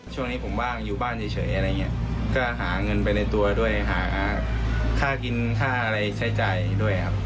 ช่วงนี้ผมว่างอยู่บ้านเฉยอะไรอย่างเงี้ยก็หาเงินไปในตัวด้วยหาค่ากินค่าอะไรใช้จ่ายด้วยครับ